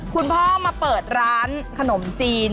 คุณพ่อมาเปิดร้านขนมจีน